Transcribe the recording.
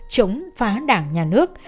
chống phá đảng nhà nước